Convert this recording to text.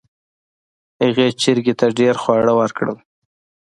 هغې چرګې ته ډیر خواړه ورکړل.